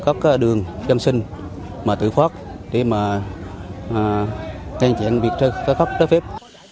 các đường chăm sinh tử pháp để ngăn chặn việc khai thác trái phép